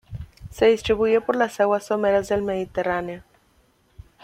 Se distribuye por las aguas someras del Mediterráneo.